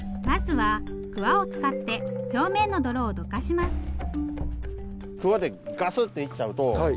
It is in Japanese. まずはくわを使って表面の泥をどかします。